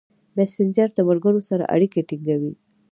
مسېنجر د ملګرو سره اړیکې ټینګوي.